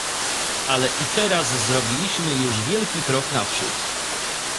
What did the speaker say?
"Ale i teraz zrobiliśmy już wielki krok naprzód."